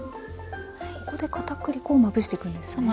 ここでかたくり粉をまぶしていくんですね。